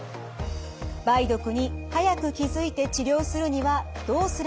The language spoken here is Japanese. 梅毒に早く気付いて治療するにはどうすればいいのか？